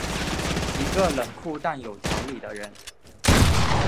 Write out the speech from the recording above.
一个冷酷但有条理的人。